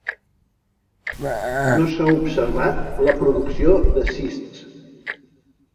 No s'ha observat la producció de cists.